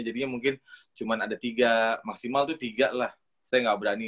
jadinya mungkin cuma ada tiga maksimal itu tiga lah saya nggak berani